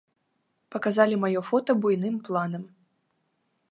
Паказалі маё фота буйным планам.